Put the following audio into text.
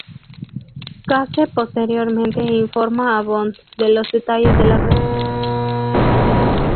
Case posteriormente informa a Bond de los detalles de la red.